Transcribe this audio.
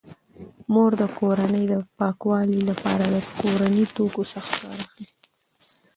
مور د کورنۍ د پاکوالي لپاره د کورني توکو څخه کار اخلي.